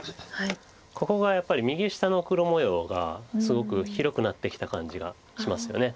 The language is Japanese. ここがやっぱり右下の黒模様がすごく広くなってきた感じがしますよね